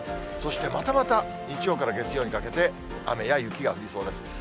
そして、またまた日曜から月曜にかけて、雨や雪が降りそうです。